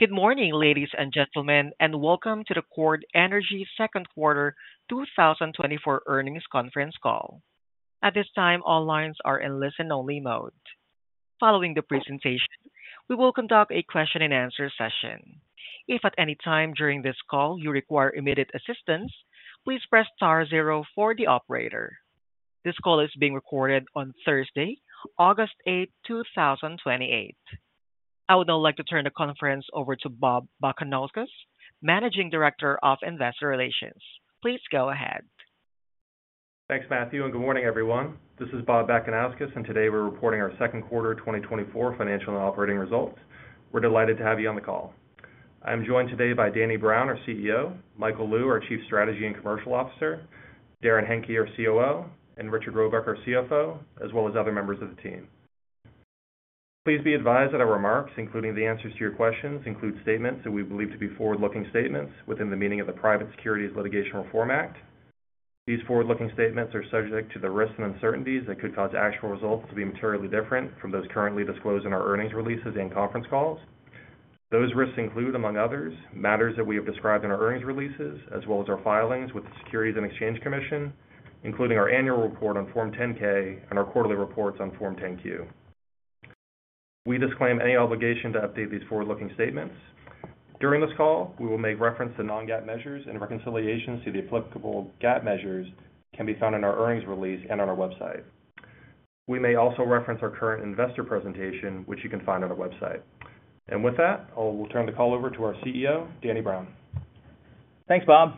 Good morning, ladies and gentlemen, and welcome to the Chord Energy Second Quarter 2024 Earnings Conference Call. At this time, all lines are in listen-only mode. Following the presentation, we will conduct a question-and-answer session. If at any time during this call you require immediate assistance, please press star zero for the operator. This call is being recorded on Thursday, August 8, 2024. I would now like to turn the conference over to Bob Bakanauskas, Managing Director of Investor Relations. Please go ahead. Thanks, Matthew, and good morning, everyone. This is Bob Bakanauskas, and today we're reporting our second quarter 2024 financial and operating results. We're delighted to have you on the call. I'm joined today by Danny Brown, our CEO; Michael Lew, our Chief Strategy and Commercial Officer; Darrin Henke, our COO; and Richard Robuck, our CFO, as well as other members of the team. Please be advised that our remarks, including the answers to your questions, include statements that we believe to be forward-looking statements within the meaning of the Private Securities Litigation Reform Act. These forward-looking statements are subject to the risks and uncertainties that could cause actual results to be materially different from those currently disclosed in our earnings releases and conference calls. Those risks include, among others, matters that we have described in our earnings releases, as well as our filings with the Securities and Exchange Commission, including our annual report on Form 10-K and our quarterly reports on Form 10-Q. We disclaim any obligation to update these forward-looking statements. During this call, we will make reference to non-GAAP measures, and reconciliations to the applicable GAAP measures can be found in our earnings release and on our website. We may also reference our current investor presentation, which you can find on our website. With that, I will turn the call over to our CEO, Danny Brown. Thanks, Bob.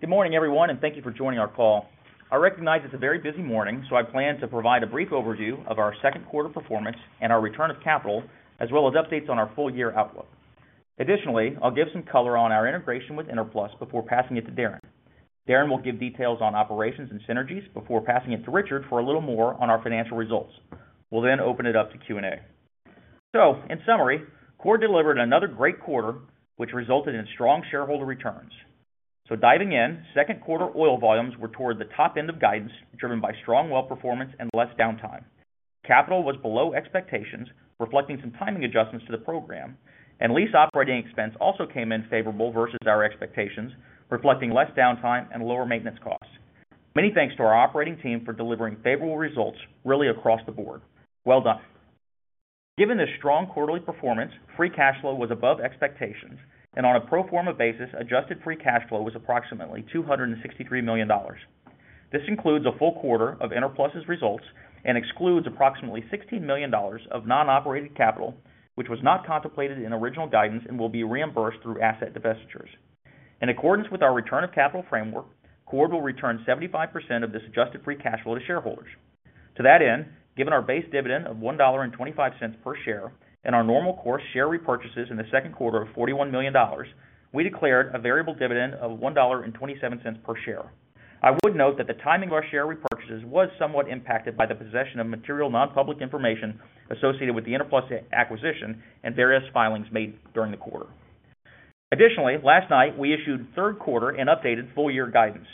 Good morning, everyone, and thank you for joining our call. I recognize it's a very busy morning, so I plan to provide a brief overview of our second quarter performance and our return of capital, as well as updates on our full-year outlook. Additionally, I'll give some color on our integration with Enerplus before passing it to Darrin. Darrin will give details on operations and synergies before passing it to Richard for a little more on our financial results. We'll then open it up to Q&A. So in summary, Chord delivered another great quarter, which resulted in strong shareholder returns. So diving in, second quarter oil volumes were toward the top end of guidance, driven by strong well performance and less downtime. Capital was below expectations, reflecting some timing adjustments to the program, and Lease Operating Expense also came in favorable versus our expectations, reflecting less downtime and lower maintenance costs. Many thanks to our operating team for delivering favorable results really across the board. Well done. Given this strong quarterly performance, free cash flow was above expectations, and on a pro forma basis, adjusted free cash flow was approximately $263 million. This includes a full quarter of Enerplus's results and excludes approximately $16 million of non-operated capital, which was not contemplated in original guidance and will be reimbursed through asset divestitures. In accordance with our return of capital framework, Chord will return 75% of this adjusted free cash flow to shareholders. To that end, given our base dividend of $1.25 per share and our normal course share repurchases in the second quarter of $41 million, we declared a variable dividend of $1.27 per share. I would note that the timing of our share repurchases was somewhat impacted by the possession of material non-public information associated with the Enerplus acquisition and various filings made during the quarter. Additionally, last night, we issued third quarter and updated full-year guidance.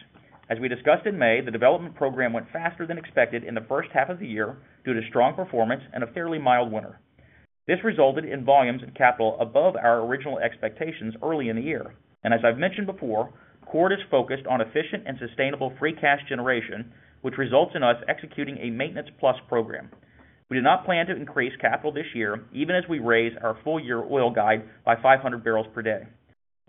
As we discussed in May, the development program went faster than expected in the first half of the year due to strong performance and a fairly mild winter. This resulted in volumes in capital above our original expectations early in the year. As I've mentioned before, Chord is focused on efficient and sustainable free cash generation, which results in us executing a maintenance plus program. We do not plan to increase capital this year, even as we raise our full-year oil guide by 500 barrels per day.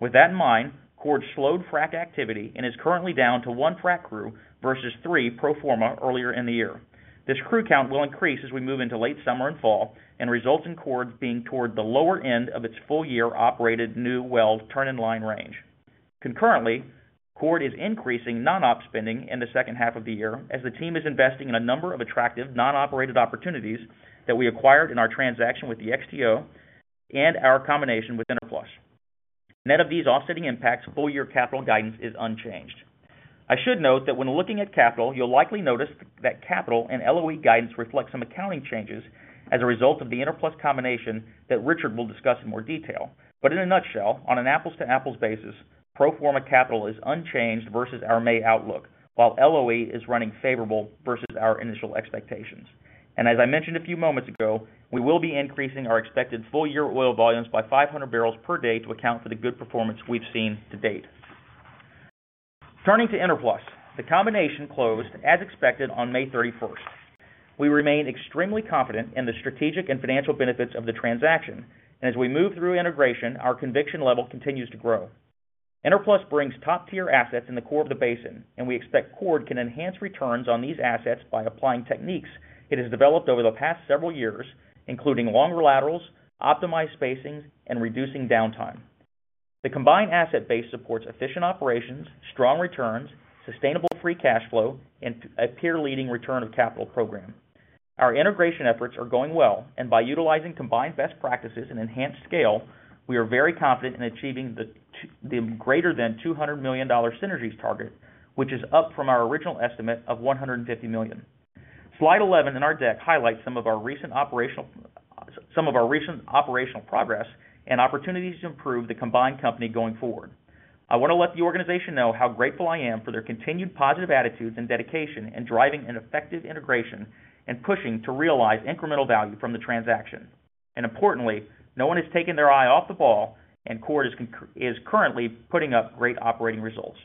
With that in mind, Chord slowed frac activity and is currently down to 1 frac crew versus 3 pro forma earlier in the year. This crew count will increase as we move into late summer and fall and result in Chord being toward the lower end of its full-year operated new well turn-in-line range. Concurrently, Chord is increasing non-op spending in the second half of the year, as the team is investing in a number of attractive non-operated opportunities that we acquired in our transaction with the XTO and our combination with Enerplus. Net of these offsetting impacts, full-year capital guidance is unchanged. I should note that when looking at capital, you'll likely notice that capital and LOE guidance reflects some accounting changes as a result of the Enerplus combination that Richard will discuss in more detail. In a nutshell, on an apples-to-apples basis, pro forma capital is unchanged versus our May outlook, while LOE is running favorable versus our initial expectations. As I mentioned a few moments ago, we will be increasing our expected full-year oil volumes by 500 barrels per day to account for the good performance we've seen to date. Turning to Enerplus, the combination closed as expected on May 31st. We remain extremely confident in the strategic and financial benefits of the transaction, and as we move through integration, our conviction level continues to grow. Enerplus brings top-tier assets in the core of the basin, and we expect Chord can enhance returns on these assets by applying techniques it has developed over the past several years, including longer laterals, optimized spacings, and reducing downtime. The combined asset base supports efficient operations, strong returns, sustainable free cash flow, and a peer-leading return of capital program. Our integration efforts are going well, and by utilizing combined best practices and enhanced scale, we are very confident in achieving the greater than $200 million synergies target, which is up from our original estimate of $150 million. Slide 11 in our deck highlights some of our recent operational, some of our recent operational progress and opportunities to improve the combined company going forward. I want to let the organization know how grateful I am for their continued positive attitudes and dedication in driving an effective integration and pushing to realize incremental value from the transaction. And importantly, no one has taken their eye off the ball, and Chord is currently putting up great operating results.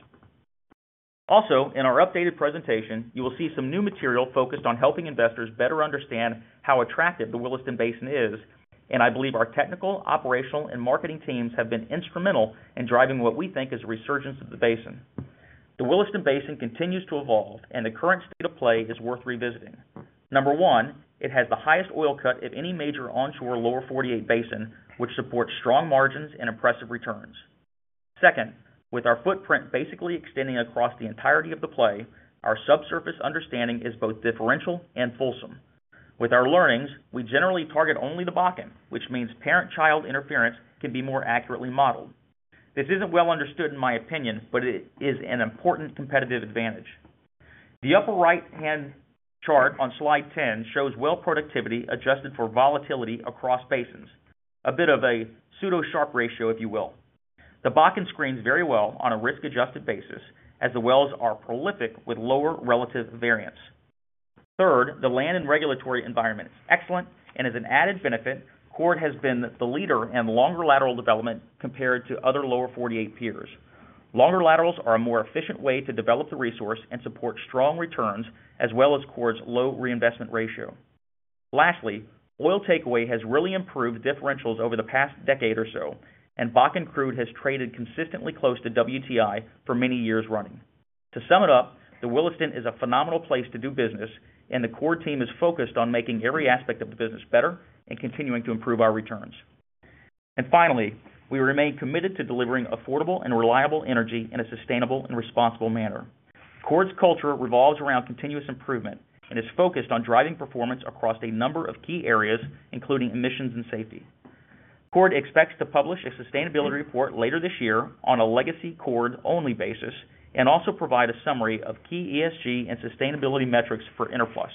Also, in our updated presentation, you will see some new material focused on helping investors better understand how attractive the Williston Basin is, and I believe our technical, operational, and marketing teams have been instrumental in driving what we think is a resurgence of the basin. The Williston Basin continues to evolve, and the current state of play is worth revisiting. Number one, it has the highest oil cut of any major onshore Lower 48 basin, which supports strong margins and impressive returns. Second, with our footprint basically extending across the entirety of the play, our subsurface understanding is both differential and fulsome. With our learnings, we generally target only the Bakken, which means parent-child interference can be more accurately modeled. This isn't well understood, in my opinion, but it is an important competitive advantage. The upper right-hand chart on slide 10 shows well productivity adjusted for volatility across basins, a bit of a pseudo Sharpe ratio, if you will. The Bakken screens very well on a risk-adjusted basis, as the wells are prolific with lower relative variance. Third, the land and regulatory environment is excellent, and as an added benefit, Chord has been the leader in longer lateral development compared to other lower 48 peers. Longer laterals are a more efficient way to develop the resource and support strong returns, as well as Chord's low reinvestment ratio. Lastly, oil takeaway has really improved differentials over the past decade or so, and Bakken crude has traded consistently close to WTI for many years running. To sum it up, the Williston is a phenomenal place to do business, and the Chord team is focused on making every aspect of the business better and continuing to improve our returns. And finally, we remain committed to delivering affordable and reliable energy in a sustainable and responsible manner. Chord's culture revolves around continuous improvement and is focused on driving performance across a number of key areas, including emissions and safety. Chord expects to publish a sustainability report later this year on a legacy Chord-only basis and also provide a summary of key ESG and sustainability metrics for Enerplus.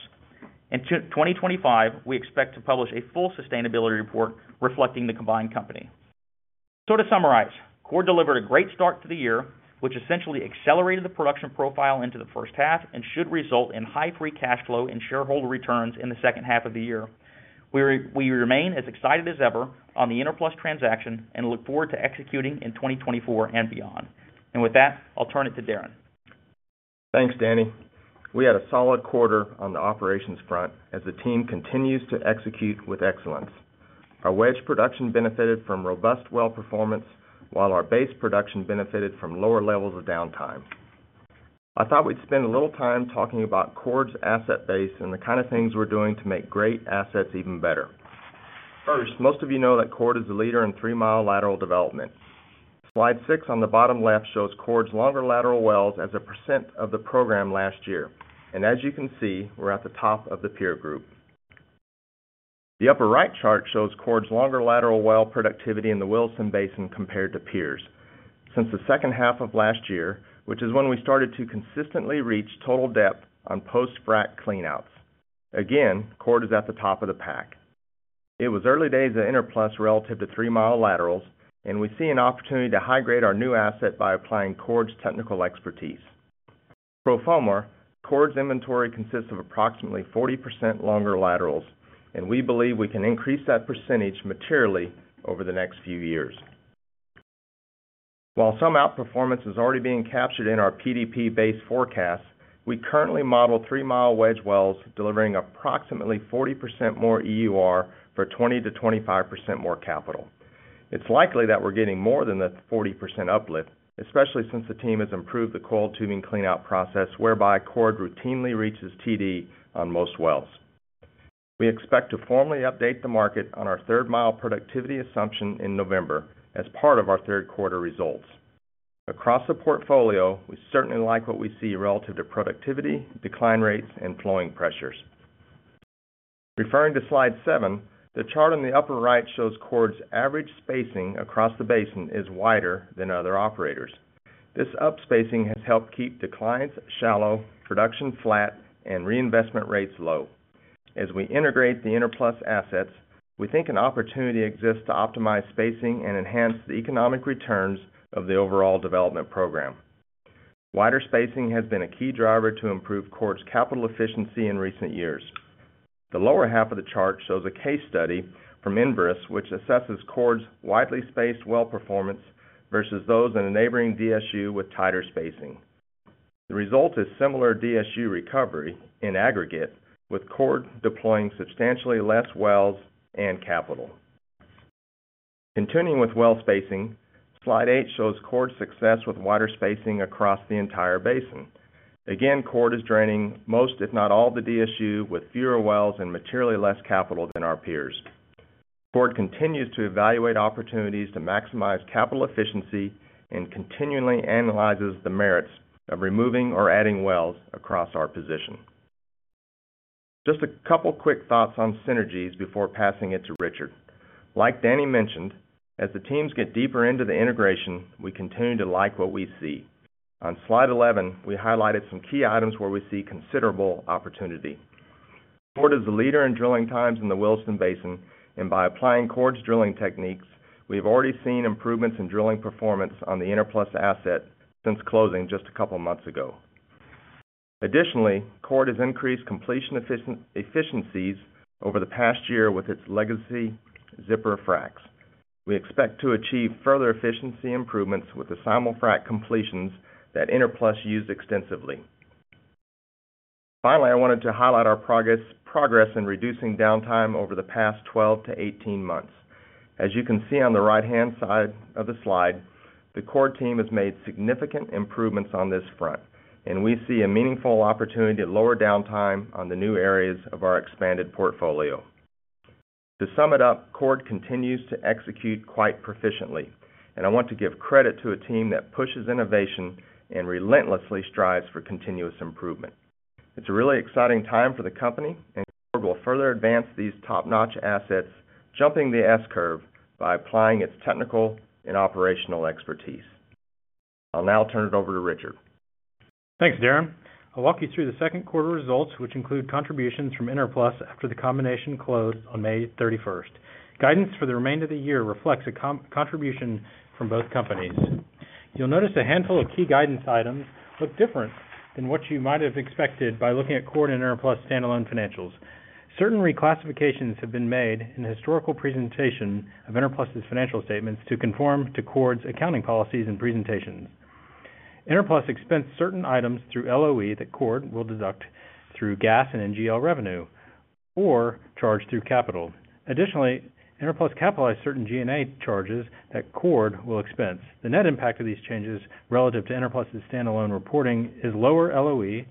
In 2025, we expect to publish a full sustainability report reflecting the combined company. So to summarize, Chord delivered a great start to the year, which essentially accelerated the production profile into the first half and should result in high free cash flow and shareholder returns in the second half of the year. We remain as excited as ever on the Enerplus transaction and look forward to executing in 2024 and beyond. And with that, I'll turn it to Darrin. Thanks, Danny. We had a solid quarter on the operations front as the team continues to execute with excellence. Our wedge production benefited from robust well performance, while our base production benefited from lower levels of downtime. I thought we'd spend a little time talking about Chord's asset base and the kind of things we're doing to make great assets even better. First, most of you know that Chord is the leader in three-mile lateral development. Slide six on the bottom left shows Chord's longer lateral wells as a percent of the program last year, and as you can see, we're at the top of the peer group. The upper right chart shows Chord's longer lateral well productivity in the Williston Basin compared to peers. Since the second half of last year, which is when we started to consistently reach total depth on post-frack cleanouts. Again, Chord is at the top of the pack. It was early days at Enerplus relative to three-mile laterals, and we see an opportunity to high-grade our new asset by applying Chord's technical expertise. Pro forma, Chord's inventory consists of approximately 40% longer laterals, and we believe we can increase that percentage materially over the next few years. While some outperformance is already being captured in our PDP-based forecast, we currently model three-mile wedge wells delivering approximately 40% more EUR for 20%-25% more capital. It's likely that we're getting more than the 40% uplift, especially since the team has improved the coil tubing cleanout process, whereby Chord routinely reaches TD on most wells. We expect to formally update the market on our three-mile productivity assumption in November as part of our third quarter results. Across the portfolio, we certainly like what we see relative to productivity, decline rates, and flowing pressures. Referring to slide seven, the chart on the upper right shows Chord's average spacing across the basin is wider than other operators. This up-spacing has helped keep declines shallow, production flat, and reinvestment rates low. As we integrate the Enerplus assets, we think an opportunity exists to optimize spacing and enhance the economic returns of the overall development program. Wider spacing has been a key driver to improve Chord's capital efficiency in recent years. The lower half of the chart shows a case study from Enverus, which assesses Chord's widely spaced well performance versus those in a neighboring DSU with tighter spacing. The result is similar DSU recovery in aggregate, with Chord deploying substantially less wells and capital. Continuing with well spacing, slide eight shows Chord's success with wider spacing across the entire basin. Again, Chord is draining most, if not all, of the DSU with fewer wells and materially less capital than our peers. Chord continues to evaluate opportunities to maximize capital efficiency and continually analyzes the merits of removing or adding wells across our position. Just a couple quick thoughts on synergies before passing it to Richard. Like Danny mentioned, as the teams get deeper into the integration, we continue to like what we see. On slide 11, we highlighted some key items where we see considerable opportunity. Chord is the leader in drilling times in the Williston Basin, and by applying Chord's drilling techniques, we have already seen improvements in drilling performance on the Enerplus asset since closing just a couple of months ago. Additionally, Chord has increased completion efficiencies over the past year with its legacy Zipper fracs. We expect to achieve further efficiency improvements with the simulfrac completions that Enerplus used extensively. Finally, I wanted to highlight our progress in reducing downtime over the past 12-18 months. As you can see on the right-hand side of the slide, the Chord team has made significant improvements on this front, and we see a meaningful opportunity to lower downtime on the new areas of our expanded portfolio. To sum it up, Chord continues to execute quite proficiently, and I want to give credit to a team that pushes innovation and relentlessly strives for continuous improvement. It's a really exciting time for the company, and Chord will further advance these top-notch assets, jumping the S-curve by applying its technical and operational expertise. I'll now turn it over to Richard. Thanks, Darrin. I'll walk you through the second quarter results, which include contributions from Enerplus after the combination closed on May 31st. Guidance for the remainder of the year reflects a contribution from both companies. You'll notice a handful of key guidance items look different than what you might have expected by looking at Chord and Enerplus standalone financials. Certain reclassifications have been made in the historical presentation of Enerplus's financial statements to conform to Chord's accounting policies and presentations. Enerplus expensed certain items through LOE that Chord will deduct through gas and NGL revenue or charge through capital. Additionally, Enerplus capitalized certain G&A charges that Chord will expense. The net impact of these changes relative to Enerplus's standalone reporting is lower LOE,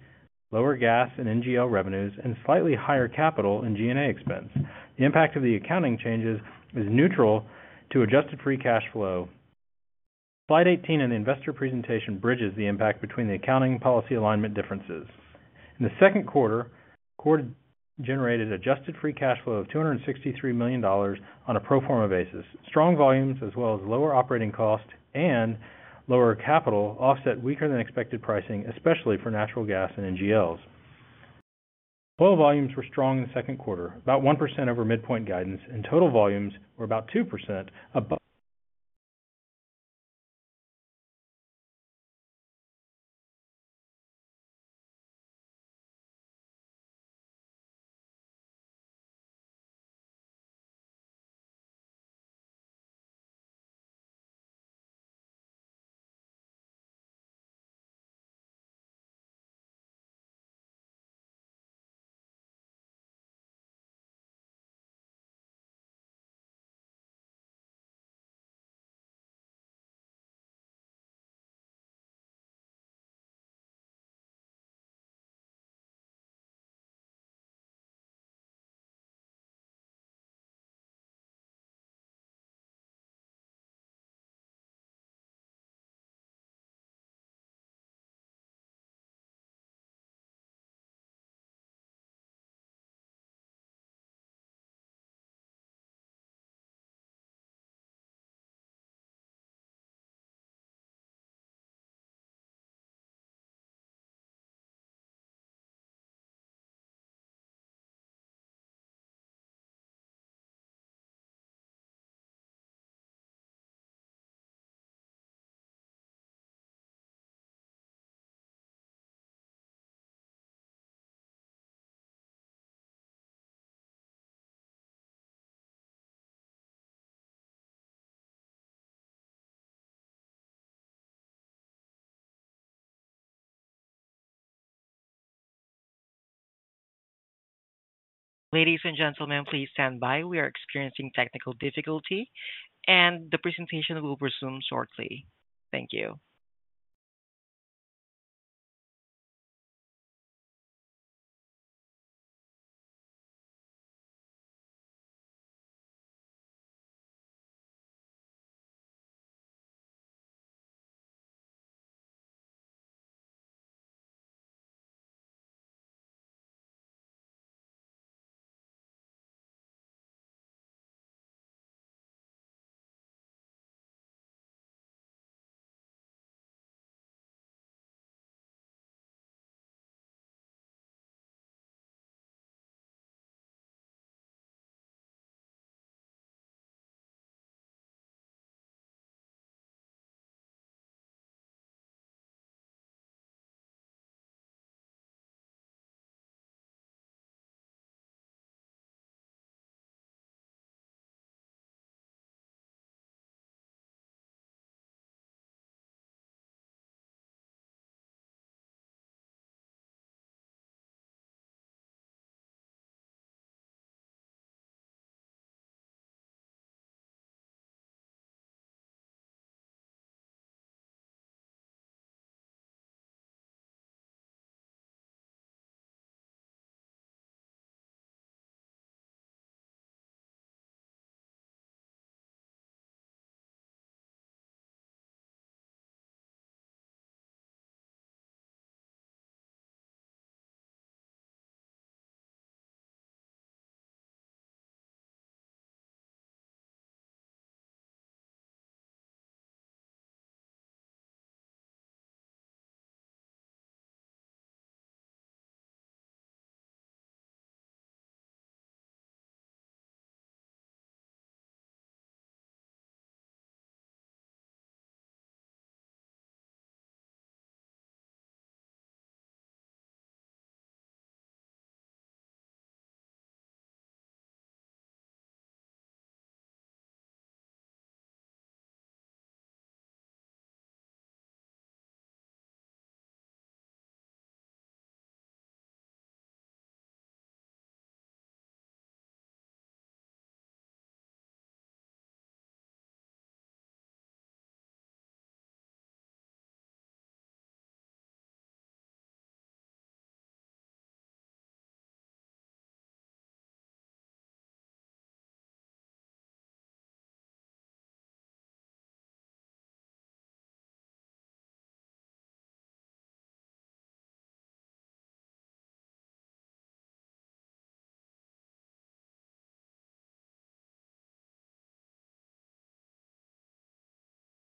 lower gas and NGL revenues, and slightly higher capital and G&A expense. The impact of the accounting changes is neutral to adjusted free cash flow. Slide 18 in the investor presentation bridges the impact between the accounting policy alignment differences. In the second quarter, Chord generated adjusted free cash flow of $263 million on a pro forma basis. Strong volumes as well as lower operating costs and lower capital offset weaker-than-expected pricing, especially for natural gas and NGLs. Oil volumes were strong in the second quarter, about 1% over midpoint guidance, and total volumes were about 2%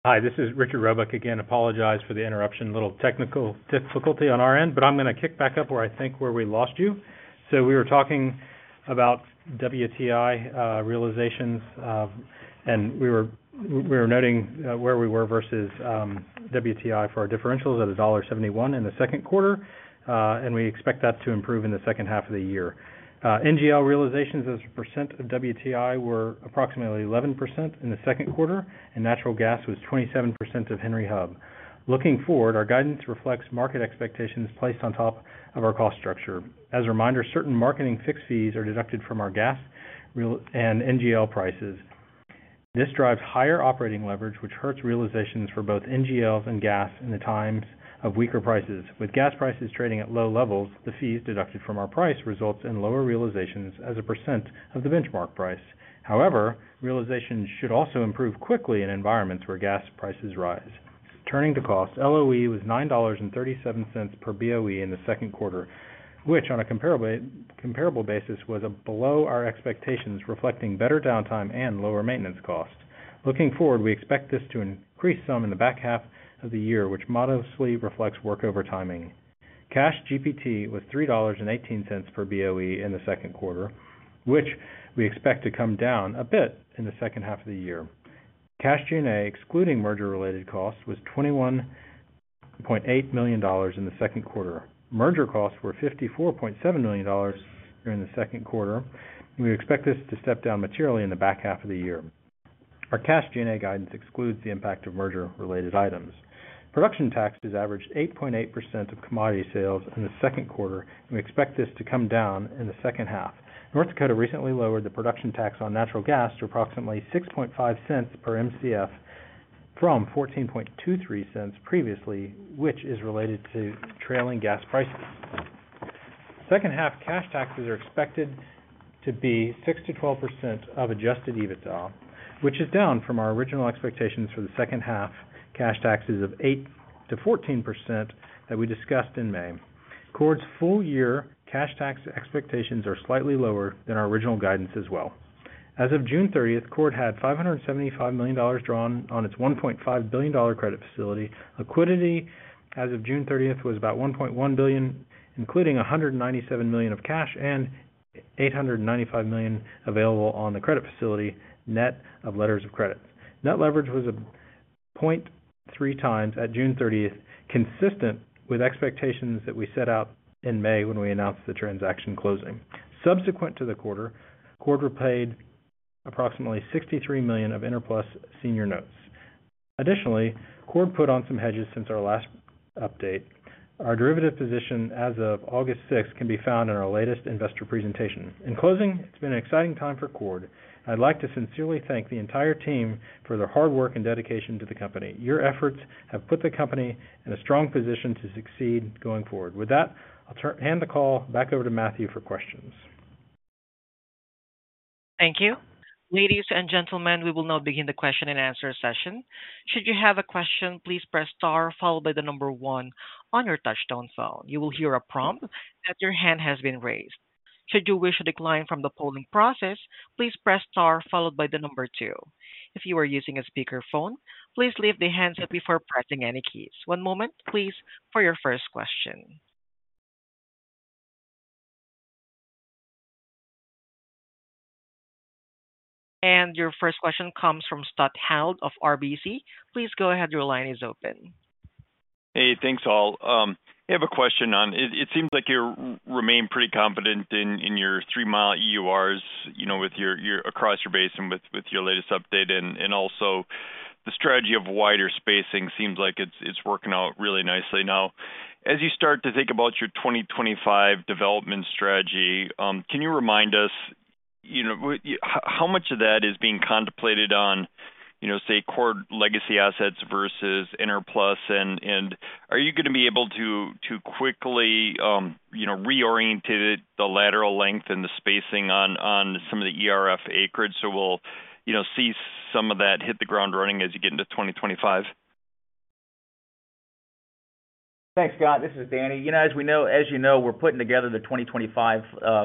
Hi, this is Richard Robuck again. Apologize for the interruption. A little technical difficulty on our end, but I'm gonna kick back up where I think where we lost you. So we were talking about WTI realizations, and we were noting where we were versus WTI for our differentials at $1.71 in the second quarter, and we expect that to improve in the second half of the year. NGL realizations as a percent of WTI were approximately 11% in the second quarter, and natural gas was 27% of Henry Hub. Looking forward, our guidance reflects market expectations placed on top of our cost structure. As a reminder, certain marketing fixed fees are deducted from our gas and NGL prices. This drives higher operating leverage, which hurts realizations for both NGLs and gas in the times of weaker prices. With gas prices trading at low levels, the fees deducted from our price results in lower realizations as a percent of the benchmark price. However, realizations should also improve quickly in environments where gas prices rise. Turning to cost, LOE was $9.37 per BOE in the second quarter, which on a comparable, comparable basis, was below our expectations, reflecting better downtime and lower maintenance costs. Looking forward, we expect this to increase some in the back half of the year, which modestly reflects workover timing. Cash GPT was $3.18 per BOE in the second quarter, which we expect to come down a bit in the second half of the year. Cash G&A, excluding merger-related costs, was $21.8 million in the second quarter. Merger costs were $54.7 million during the second quarter. We expect this to step down materially in the back half of the year. Our cash G&A guidance excludes the impact of merger-related items. Production taxes averaged 8.8% of commodity sales in the second quarter, and we expect this to come down in the second half. North Dakota recently lowered the production tax on natural gas to approximately 6.5 cents per Mcf from 14.23 cents previously, which is related to trailing gas prices. Second half cash taxes are expected to be 6%-12% of adjusted EBITDA, which is down from our original expectations for the second half cash taxes of 8%-14% that we discussed in May. Chord's full-year cash tax expectations are slightly lower than our original guidance as well. As of June 30th, Chord had $575 million drawn on its $1.5 billion credit facility. Liquidity as of June 30th was about $1.1 billion, including $197 million of cash and $895 million available on the credit facility, net of letters of credit. Net leverage was 0.3x at June 30th, consistent with expectations that we set out in May when we announced the transaction closing. Subsequent to the quarter, Chord repaid approximately $63 million of Enerplus senior notes. Additionally, Chord put on some hedges since our last update. Our derivative position as of August 6 can be found in our latest investor presentation. In closing, it's been an exciting time for Chord. I'd like to sincerely thank the entire team for their hard work and dedication to the company. Your efforts have put the company in a strong position to succeed going forward. With that, I'll hand the call back over to Matthew for questions. Thank you. Ladies and gentlemen, we will now begin the question and answer session. Should you have a question, please press star followed by the number one on your touchtone phone. You will hear a prompt that your hand has been raised. Should you wish to decline from the polling process, please press star followed by the number two. If you are using a speakerphone, please leave the handset before pressing any keys. One moment, please, for your first question. Your first question comes from Scott Hanold of RBC. Please go ahead. Your line is open. Hey, thanks, all. I have a question on, It seems like you remain pretty confident in your three mi EURs, you know, with your across your basin with your latest update, and also the strategy of wider spacing seems like it's working out really nicely. Now, as you start to think about your 2025 development strategy, can you remind us, you know, how much of that is being contemplated on, you know, say, core legacy assets versus Enerplus? And are you gonna be able to quickly, you know, reorientate the lateral length and the spacing on some of the Enerplus acreage? So we'll, you know, see some of that hit the ground running as you get into 2025. Thanks, Scott. This is Danny. You know, as we know—as you know, we're putting together the 2025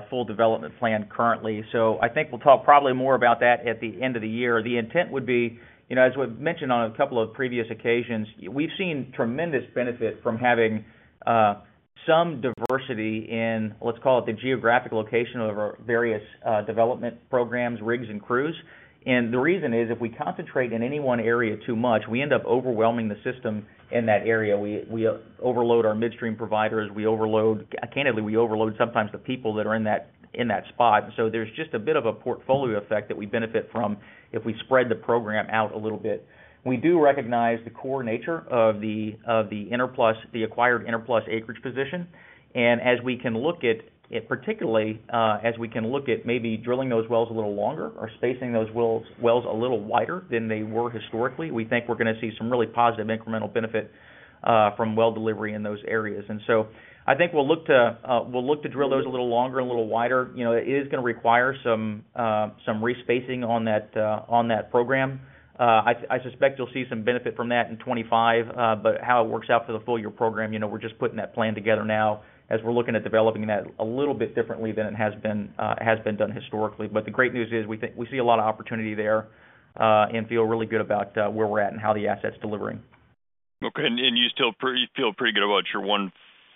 full development plan currently. So I think we'll talk probably more about that at the end of the year. The intent would be, you know, as we've mentioned on a couple of previous occasions, we've seen tremendous benefit from having some diversity in, let's call it, the geographic location of our various development programs, rigs, and crews. The reason is, if we concentrate in any one area too much, we end up overwhelming the system in that area. We overload our midstream providers, we overload, candidly, we overload sometimes the people that are in that spot. There's just a bit of a portfolio effect that we benefit from if we spread the program out a little bit. We do recognize the core nature of the Enerplus, the acquired Enerplus acreage position. As we can look at particularly maybe drilling those wells a little longer or spacing those wells a little wider than they were historically, we think we're gonna see some really positive incremental benefit from well delivery in those areas. I think we'll look to drill those a little longer, a little wider. You know, it is gonna require some re-spacing on that program. I suspect you'll see some benefit from that in 2025. But how it works out for the full year program, you know, we're just putting that plan together now, as we're looking at developing that a little bit differently than it has been, has been done historically. But the great news is, we think, we see a lot of opportunity there, and feel really good about where we're at and how the asset's delivering. Okay. You still feel pretty good about your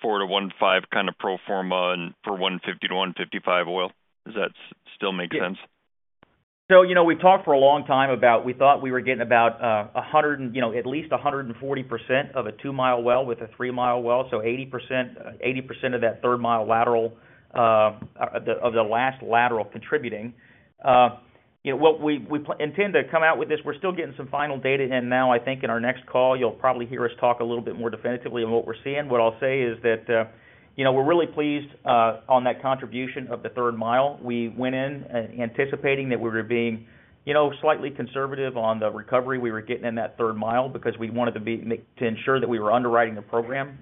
14-15 kind of pro forma and for $150-$155 oil? Does that still make sense? So, you know, we've talked for a long time about. We thought we were getting about, you know, at least 140% of a two-mile well with a three mi well. So 80%, 80% of that third mi lateral of the last lateral contributing. You know, what we intend to come out with this, we're still getting some final data in now. I think in our next call, you'll probably hear us talk a little bit more definitively on what we're seeing. What I'll say is that, you know, we're really pleased on that contribution of the third mi. We went in anticipating that we were being, you know, slightly conservative on the recovery we were getting in that third mi because we wanted to be to ensure that we were underwriting the program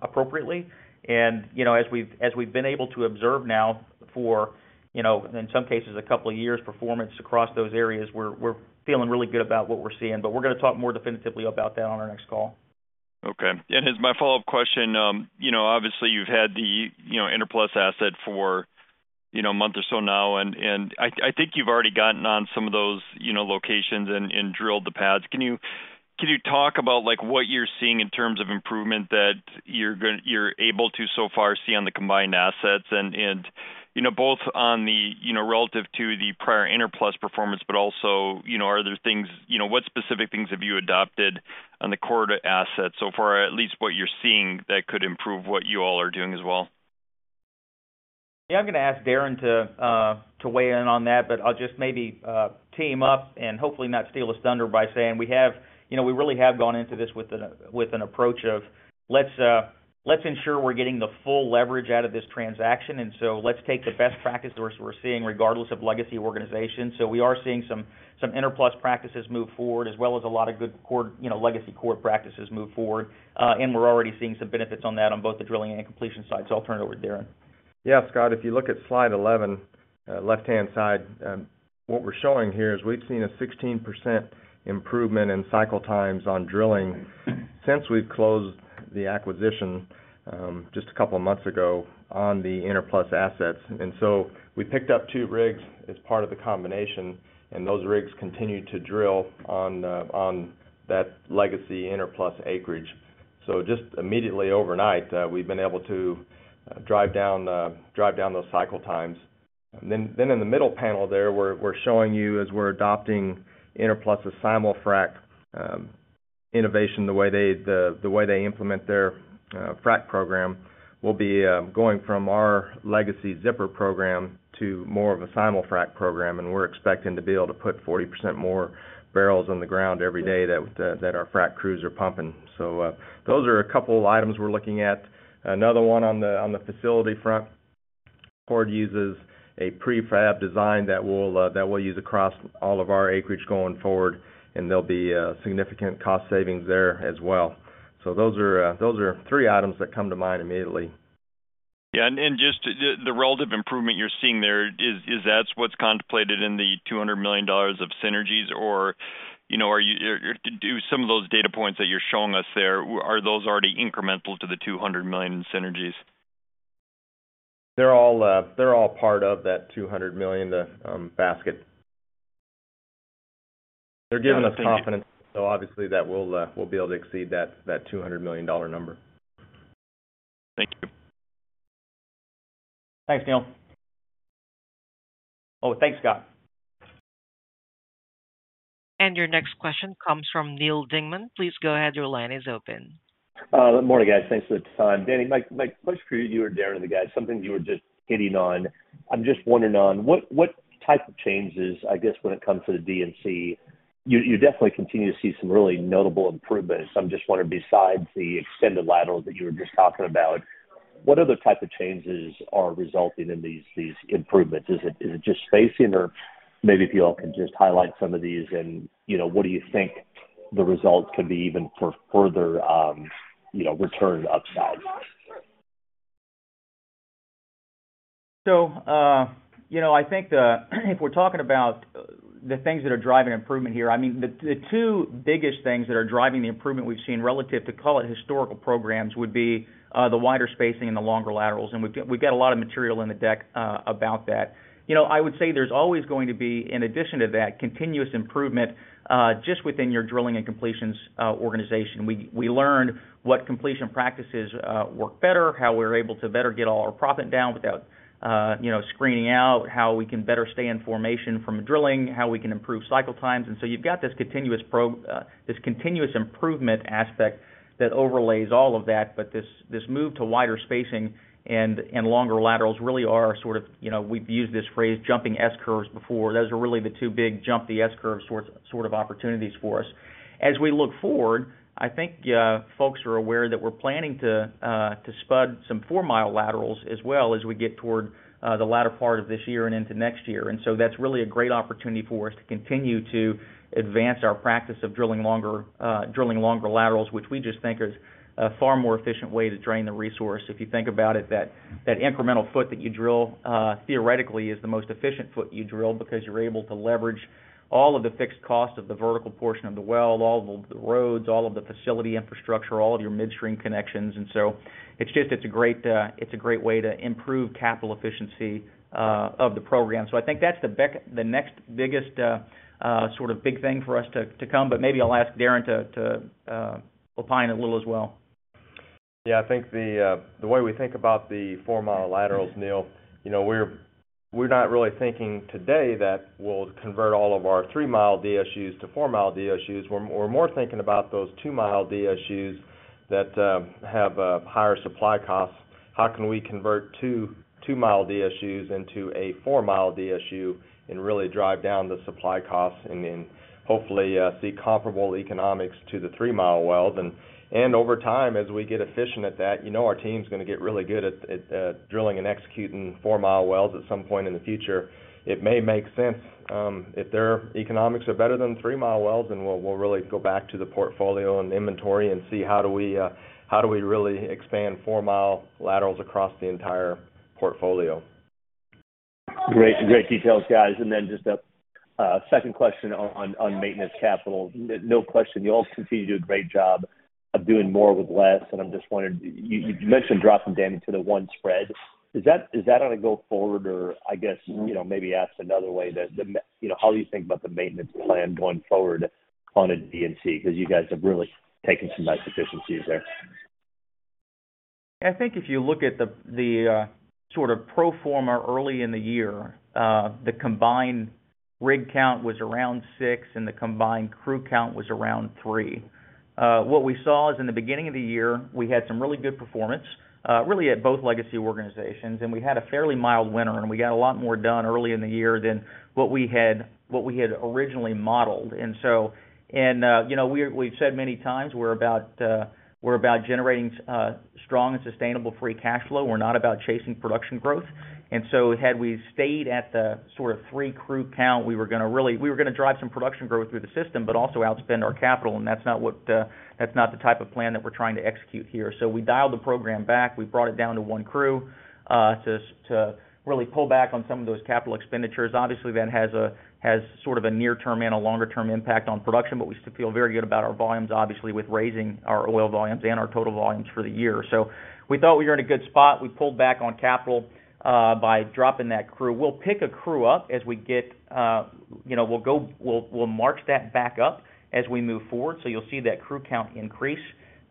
appropriately. And, you know, as we've been able to observe now for, you know, in some cases, a couple of years' performance across those areas, we're feeling really good about what we're seeing, but we're gonna talk more definitively about that on our next call. Okay. And as my follow-up question, you know, obviously, you've had the, you know, Enerplus asset for, you know, a month or so now, and I think you've already gotten on some of those, you know, locations and drilled the pads. Can you talk about, like, what you're seeing in terms of improvement that you're able to so far see on the combined assets? And, you know, both on the, you know, relative to the prior Enerplus performance, but also, you know, are there things, you know, what specific things have you adopted on the Chord to assets so far, at least what you're seeing, that could improve what you all are doing as well? Yeah, I'm gonna ask Darrin to, to weigh in on that, but I'll just maybe, tee him up and hopefully not steal his thunder by saying, we have—you know, we really have gone into this with an, with an approach of, let's, let's ensure we're getting the full leverage out of this transaction, and so let's take the best practice we're, we're seeing, regardless of legacy organization. So we are seeing some, some Enerplus practices move forward, as well as a lot of good core, you know, legacy core practices move forward. And we're already seeing some benefits on that on both the drilling and completion side. So I'll turn it over to Darrin. Yeah, Scott, if you look at slide 11, left-hand side, what we're showing here is we've seen a 16% improvement in cycle times on drilling since we've closed the acquisition, just a couple of months ago on the Enerplus assets. And so we picked up two rigs as part of the combination, and those rigs continued to drill on that legacy Enerplus acreage. So just immediately overnight, we've been able to drive down those cycle times. Then, in the middle panel there, we're showing you as we're adopting Enerplus' simulfrac innovation, the way they implement their frac program, we'll be going from our legacy zipper program to more of a simulfrac program, and we're expecting to be able to put 40% more barrels on the ground every day that our frac crews are pumping. So, those are a couple of items we're looking at. Another one on the facility front. Chord uses a prefab design that we'll use across all of our acreage going forward, and there'll be significant cost savings there as well. So those are three items that come to mind immediately. Yeah, and just the relative improvement you're seeing there, is that what's contemplated in the $200 million of synergies? Or, you know, are you, or do some of those data points that you're showing us there, are those already incremental to the $200 million in synergies? They're all, they're all part of that $200 million basket. They're giving us confidence, so obviously, that we'll, we'll be able to exceed that, that $200 million number. Thank you. Thanks, Neal. Oh, thanks, Scott. Your next question comes from Neal Dingmann. Please go ahead. Your line is open. Good morning, guys. Thanks for the time. Danny, like, like, much for you or Darrin or the guys, something you were just hitting on. I'm just wondering on, what, what type of changes, I guess, when it comes to the D&C, you, you definitely continue to see some really notable improvements. So I'm just wondering, besides the extended lateral that you were just talking about, what other type of changes are resulting in these, these improvements? Is it, is it just spacing, or maybe if you all can just highlight some of these, and, you know, what do you think the results could be even for further, you know, return upside? So, you know, I think the, if we're talking about, the things that are driving improvement here, I mean, the, the two biggest things that are driving the improvement we've seen relative to call it, historical programs, would be, the wider spacing and the longer laterals, and we've got, we've got a lot of material in the deck, about that. You know, I would say there's always going to be, in addition to that, continuous improvement, just within your drilling and completions, organization. We, we learned what completion practices, work better, how we're able to better get all our proppant down without, you know, screening out, how we can better stay in formation from drilling, how we can improve cycle times. And so you've got this continuous improvement aspect that overlays all of that. But this, this move to wider spacing and, and longer laterals really are sort of, you know, we've used this phrase, jumping S-curves before. Those are really the two big jump the S-curve sorts—sort of opportunities for us. As we look forward, I think, folks are aware that we're planning to, to spud some four-mile laterals as well, as we get toward, the latter part of this year and into next year. And so that's really a great opportunity for us to continue to advance our practice of drilling longer, drilling longer laterals, which we just think is a far more efficient way to drain the resource. If you think about it, that incremental foot that you drill theoretically is the most efficient foot you drill, because you're able to leverage all of the fixed costs of the vertical portion of the well, all of the roads, all of the facility infrastructure, all of your midstream connections. And so it's just, it's a great way to improve capital efficiency of the program. So I think that's the next biggest sort of big thing for us to come, but maybe I'll ask Darrin to opine a little as well. Yeah, I think the way we think about the four-mile laterals, Neal, you know, we're not really thinking today that we'll convert all of our three mi DSUs to four mi DSUs. We're more thinking about those two mi DSUs that have higher supply costs. How can we convert two, two mi DSUs into a four mi DSU and really drive down the supply costs, and then, hopefully, see comparable economics to the three-mile wells? And over time, as we get efficient at that, you know our team's gonna get really good at drilling and executing four mi wells at some point in the future. It may make sense, if their economics are better than three-mile wells, then we'll really go back to the portfolio and inventory and see how do we really expand four-mile laterals across the entire portfolio? Great. Great details, guys. And then just a second question on maintenance capital. No question, you all continue to do a great job of doing more with less, and I'm just wondering, you mentioned dropping down into the one spread. Is that on a go forward? Or I guess you know, maybe asked another way, you know, how do you think about the maintenance plan going forward on a D&C? Because you guys have really taken some nice efficiencies there. I think if you look at the sort of pro forma early in the year, the combined rig count was around six, and the combined crew count was around three. What we saw is in the beginning of the year, we had some really good performance, really at both legacy organizations, and we had a fairly mild winter, and we got a lot more done early in the year than what we had originally modeled. And so, you know, we've said many times, we're about generating strong and sustainable free cash flow. We're not about chasing production growth. And so had we stayed at the sort of three crew count, we were gonna really drive some production growth through the system, but also outspend our capital, and that's not what that's not the type of plan that we're trying to execute here. So we dialed the program back. We brought it down to one crew, to really pull back on some of those capital expenditures. Obviously, that has sort of a near-term and a longer-term impact on production, but we still feel very good about our volumes, obviously, with raising our oil volumes and our total volumes for the year. So we thought we were in a good spot. We pulled back on capital by dropping that crew. We'll pick a crew up as we get, you know, we'll march that back up as we move forward, so you'll see that crew count increase,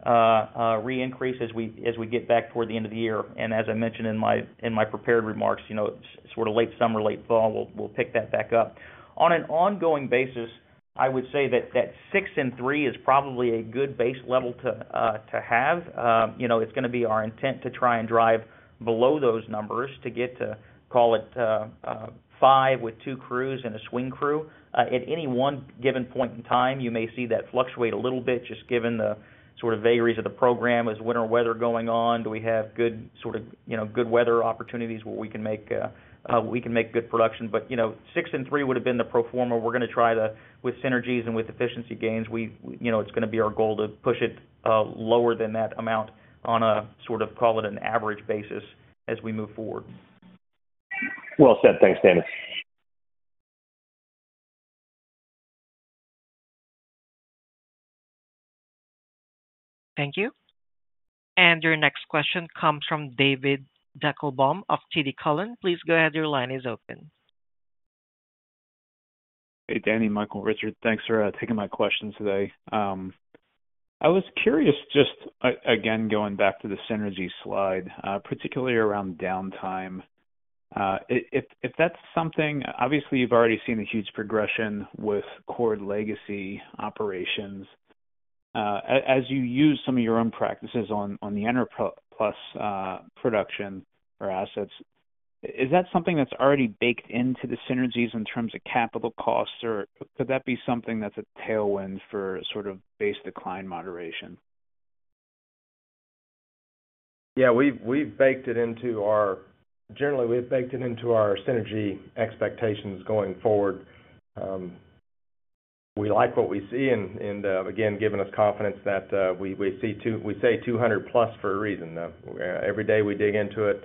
re-increase as we get back toward the end of the year. As I mentioned in my prepared remarks, you know, sort of late summer, late fall, we'll pick that back up. On an ongoing basis, I would say that six and three is probably a good base level to have. You know, it's gonna be our intent to try and drive below those numbers to get to, call it, five with two crews and a swing crew. At any one given point in time, you may see that fluctuate a little bit, just given the sort of vagaries of the program. As winter weather going on, do we have good, sort of, you know, good weather opportunities where we can make good production? But, you know, $6.3 would have been the pro forma. We're gonna try to, with synergies and with efficiency gains, we, you know, it's gonna be our goal to push it lower than that amount on a, sort of, call it, an average basis as we move forward. Well said. Thanks, Danny. Thank you. And your next question comes from David Deckelbaum of TD Cowen. Please go ahead. Your line is open. Hey, Danny, Michael, Richard. Thanks for taking my question today. I was curious, just again, going back to the synergy slide, particularly around downtime. If that's something, Obviously, you've already seen a huge progression with core legacy operations. As you use some of your own practices on the Enerplus production or assets, is that something that's already baked into the synergies in terms of capital costs, or could that be something that's a tailwind for sort of base decline moderation? Yeah, generally, we've baked it into our synergy expectations going forward. We like what we see, and again, giving us confidence that we say 200+ for a reason. Every day we dig into it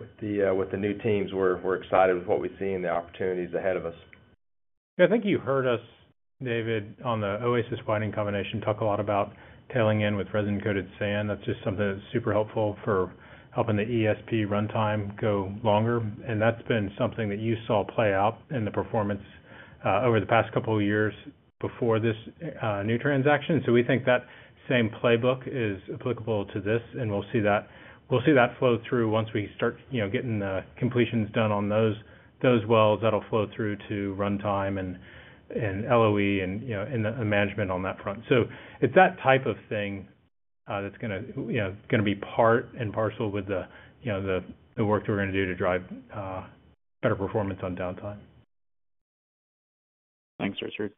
with the new teams, we're excited with what we see and the opportunities ahead of us. Yeah, I think you heard us, David, on the Oasis merger combination, talk a lot about tailing in with resin-coated sand. That's just something that's super helpful for helping the ESP runtime go longer, and that's been something that you saw play out in the performance over the past couple of years before this new transaction. So we think that same playbook is applicable to this, and we'll see that, we'll see that flow through once we start, you know, getting the completions done on those, those wells. That'll flow through to runtime and, and LOE and, you know, and the management on that front. So it's that type of thing that's gonna, you know, gonna be part and parcel with the, you know, the, the work that we're gonna do to drive better performance on downtime. Thanks, Richard.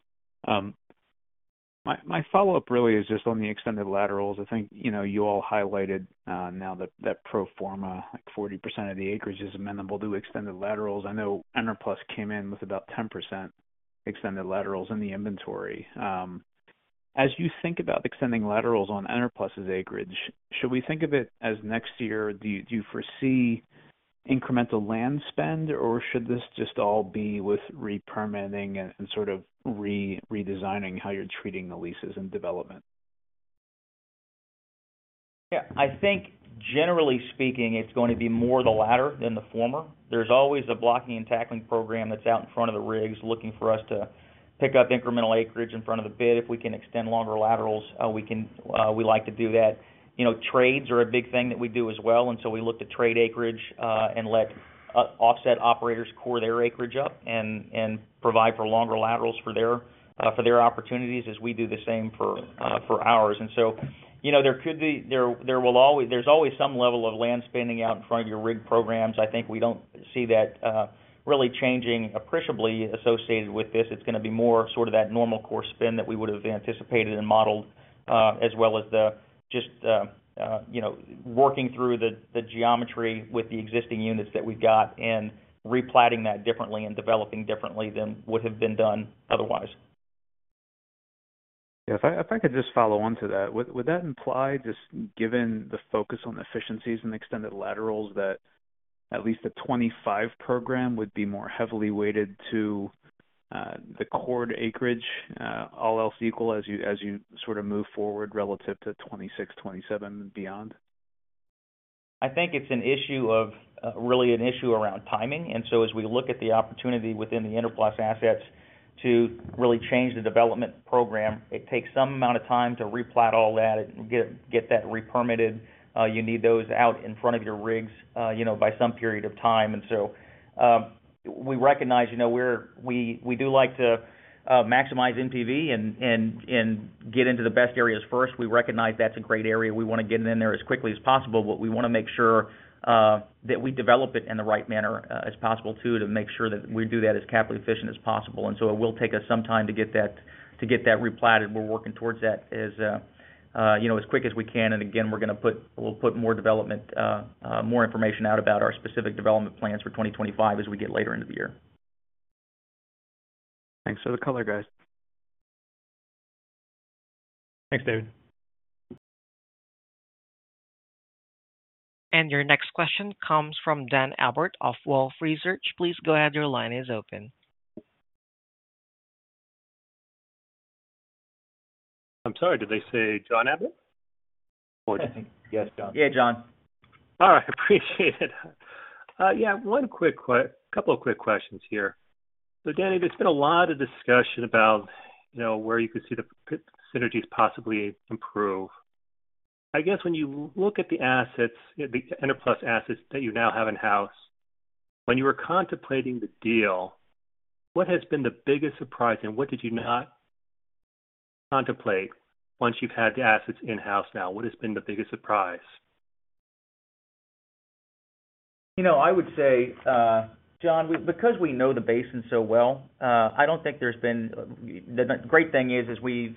My follow-up really is just on the extended laterals. I think, you know, you all highlighted now that pro forma, like 40% of the acreage is amenable to extended laterals. I know Enerplus came in with about 10% extended laterals in the inventory. As you think about extending laterals on Enerplus's acreage, should we think of it as next year? Do you foresee incremental land spend, or should this just all be with re-permitting and sort of redesigning how you're treating the leases and development? Yeah, I think generally speaking, it's going to be more the latter than the former. There's always a blocking and tackling program that's out in front of the rigs, looking for us to pick up incremental acreage in front of the rig. If we can extend longer laterals, we can, we like to do that. You know, trades are a big thing that we do as well, and so we look to trade acreage, and let offset operators core their acreage up and provide for longer laterals for their opportunities, as we do the same for ours. And so, you know, there will always be some level of land spending out in front of your rig programs. I think we don't see that really changing appreciably associated with this. It's gonna be more sort of that normal course spend that we would have anticipated and modeled, as well as just, you know, working through the geometry with the existing units that we've got and replotting that differently and developing differently than would have been done otherwise. Yeah, if I could just follow on to that, would that imply, just given the focus on efficiencies and extended laterals, that at least the 2025 program would be more heavily weighted to the cored acreage, all else equal, as you sort of move forward relative to 2026, 2027 and beyond? I think it's an issue of, really an issue around timing. And so as we look at the opportunity within the Enerplus assets to really change the development program, it takes some amount of time to replot all that and get that re-permitted. You need those out in front of your rigs, you know, by some period of time. And so, we recognize, you know, we're-- we, we do like to, maximize NPV and, and, and get into the best areas first. We recognize that's a great area. We want to get in there as quickly as possible, but we want to make sure, that we develop it in the right manner, as possible, too, to make sure that we do that as capital efficient as possible. And so it will take us some time to get that, to get that replotted. We're working toward that as, you know, as quick as we can, and again, we're gonna—we'll put more development, more information out about our specific development plans for 2025 as we get later into the year. Thanks for the color, guys. Thanks, David. Your next question comes from Doug Leggate of Wolfe Research. Please go ahead, your line is open. I'm sorry, did they say Doug Leggate? Or I think- Yes, John. Yeah, John. All right, appreciate it. Yeah, one quick couple of quick questions here. So Danny, there's been a lot of discussion about, you know, where you could see the synergies possibly improve. I guess when you look at the assets, the Enerplus assets that you now have in-house, when you were contemplating the deal, what has been the biggest surprise, and what did you not contemplate once you've had the assets in-house now? What has been the biggest surprise? You know, I would say, John, because we know the basin so well, I don't think there's been... The great thing is we've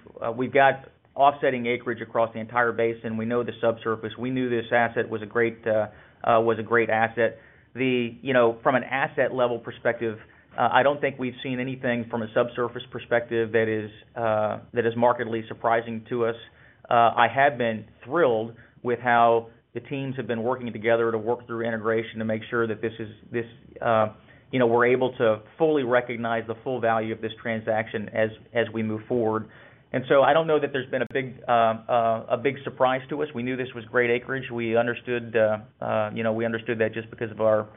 got offsetting acreage across the entire basin. We know the subsurface. We knew this asset was a great asset. You know, from an asset level perspective, I don't think we've seen anything from a subsurface perspective that is markedly surprising to us. I have been thrilled with how the teams have been working together to work through integration to make sure that, you know, we're able to fully recognize the full value of this transaction as we move forward. And so I don't know that there's been a big surprise to us. We knew this was great acreage. We understood that just because of our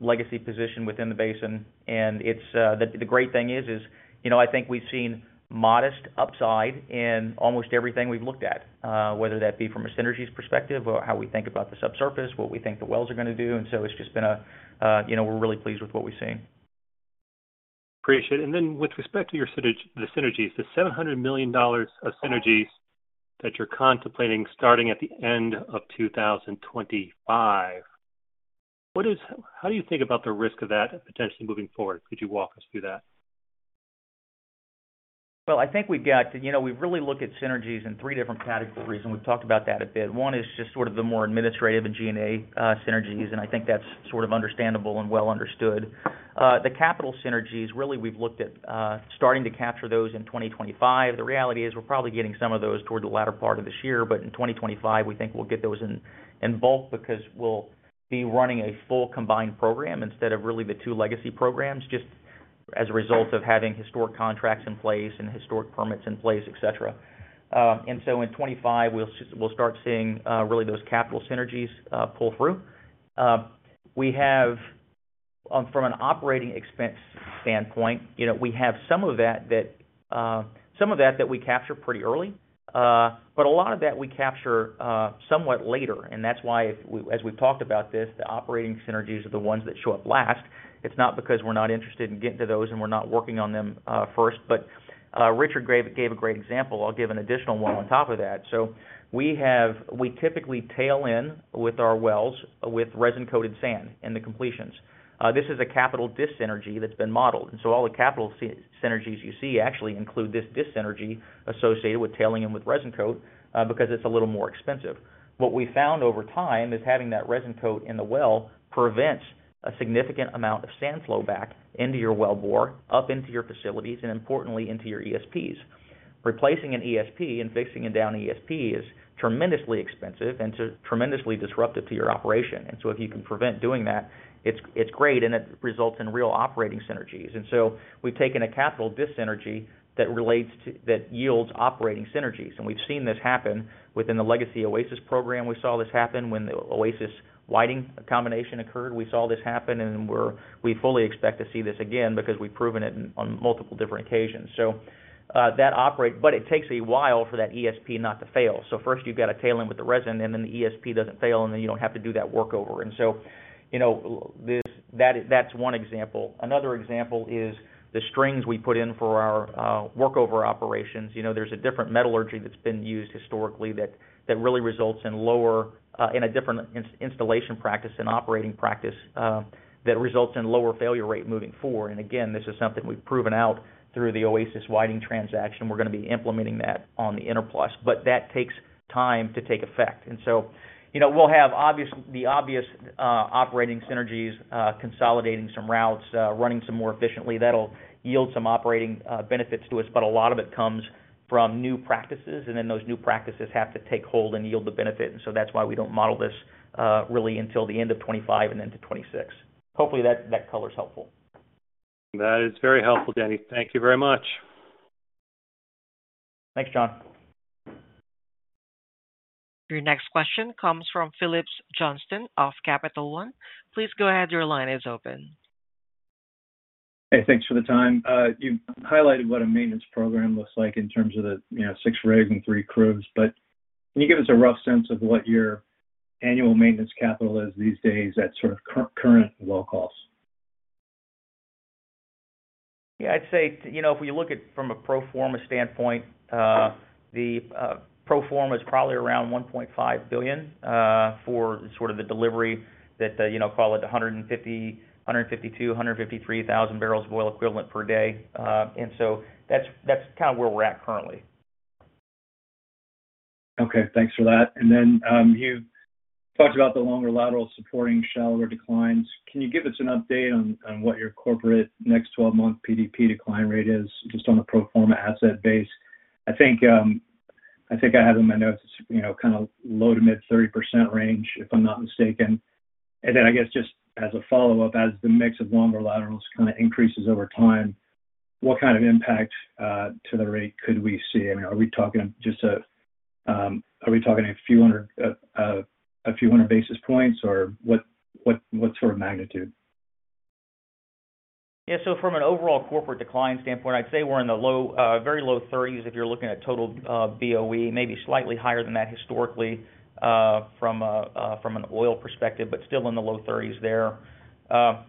legacy position within the basin. And it's the great thing is, you know, I think we've seen modest upside in almost everything we've looked at, whether that be from a synergies perspective or how we think about the subsurface, what we think the wells are gonna do. And so it's just been, you know, we're really pleased with what we're seeing. Appreciate it. And then with respect to your synergy, the synergies, the $700 million of synergies that you're contemplating starting at the end of 2025, how do you think about the risk of that potentially moving forward? Could you walk us through that? Well, I think we've got, you know, we've really looked at synergies in three different categories, and we've talked about that a bit. One is just sort of the more administrative and G&A synergies, and I think that's sort of understandable and well understood. The capital synergies, really, we've looked at starting to capture those in 2025. The reality is we're probably getting some of those toward the latter part of this year, but in 2025, we think we'll get those in bulk because we'll be running a full combined program instead of really the two legacy programs, just as a result of having historic contracts in place and historic permits in place, et cetera. And so in 2025, we'll start seeing really those capital synergies pull through. We have, from an operating expense standpoint, you know, we have some of that we capture pretty early, but a lot of that we capture somewhat later, and that's why, as we've talked about this, the operating synergies are the ones that show up last. It's not because we're not interested in getting to those and we're not working on them first, but Richard gave a great example. I'll give an additional one on top of that. So we typically tail in with our wells, with resin-coated sand in the completions. This is a capital dis-synergy that's been modeled. And so all the capital synergies you see actually include this dis-synergy associated with tailing in with resin-coated, because it's a little more expensive. What we found over time is having that resin coat in the well prevents a significant amount of sand flow back into your wellbore, up into your facilities, and importantly, into your ESPs. Replacing an ESP and fixing a down ESP is tremendously expensive and tremendously disruptive to your operation. And so if you can prevent doing that, it's, it's great, and it results in real operating synergies. And so we've taken a capital dis-synergy that yields operating synergies, and we've seen this happen within the legacy Oasis program. We saw this happen when the Oasis Whiting combination occurred. We saw this happen, and we fully expect to see this again because we've proven it on multiple different occasions. So, but it takes a while for that ESP not to fail. So first, you've got to tail in with the resin, and then the ESP doesn't fail, and then you don't have to do that workover. And so, you know, that's one example. Another example is the strings we put in for our workover operations. You know, there's a different metallurgy that's been used historically that really results in lower, in a different installation practice and operating practice that results in lower failure rate moving forward. And again, this is something we've proven out through the Oasis Whiting transaction. We're gonna be implementing that on the Enerplus, but that takes time to take effect. And so, you know, we'll have the obvious operating synergies, consolidating some routes, running some more efficiently. That'll yield some operating benefits to us, but a lot of it comes from new practices, and then those new practices have to take hold and yield the benefit. And so that's why we don't model this really until the end of 2025 and into 2026. Hopefully, that, that color is helpful. That is very helpful, Danny. Thank you very much. Thanks, John. Your next question comes from Phillips Johnston of Capital One. Please go ahead. Your line is open. Hey, thanks for the time. You highlighted what a maintenance program looks like in terms of the, you know, six rigs and three crews, but can you give us a rough sense of what your annual maintenance capital is these days at sort of current low costs? Yeah, I'd say, you know, if we look at from a pro forma standpoint, the pro forma is probably around $1.5 billion for sort of the delivery that, you know, call it 150-153 thousand barrels of oil equivalent per day. And so that's, that's kind of where we're at currently. Okay, thanks for that. And then, you talked about the longer laterals supporting shallower declines. Can you give us an update on what your corporate next 12-month PDP decline rate is, just on a pro forma asset base? I think, I think I have in my notes, you know, kind of low to mid-30% range, if I'm not mistaken. And then I guess, just as a follow-up, as the mix of longer laterals kind of increases over time, what kind of impact to the rate could we see? I mean, are we talking just a, are we talking a few hundred basis points, or what, what, what sort of magnitude? Yeah, so from an overall corporate decline standpoint, I'd say we're in the low, very low thirties, if you're looking at total BOE, maybe slightly higher than that historically, from an oil perspective, but still in the low thirties there. The